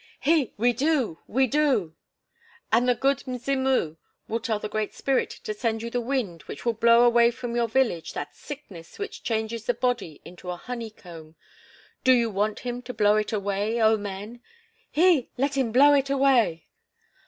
"He! We do, we do!" "And the 'Good Mzimu' will tell the Great Spirit to send to you the wind, which will blow away from your village that sickness which changes the body into a honey comb. Do you want him to blow it away oh, men?" "He! Let him blow it away!"